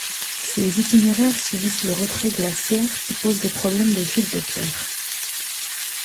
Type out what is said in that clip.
Ces itinéraires subissent le retrait glaciaire qui pose des problèmes de chutes de pierres.